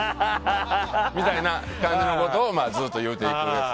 みたいな感じのことをずっと言っていくやつ。